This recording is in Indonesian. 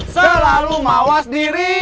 selalu mawas diri